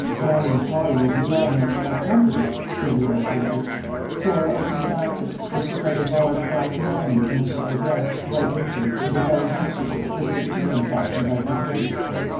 "Molly and Polly will be glad enough to have company," Sylvia assured her. Flora opened the basket and took out a large black "mammy" in a purple dress, white apron, and a yellow handkerchief twisted turban fashion about her head.